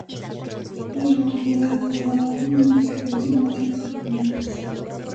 En la actualidad las paradas en esta estación han sido suprimidas.